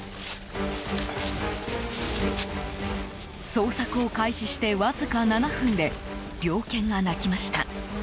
捜索を開始してわずか７分で猟犬が鳴きました。